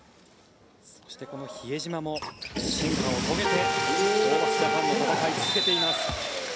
そしてこの比江島も進化を遂げてホーバスジャパンの闘い続けていきます。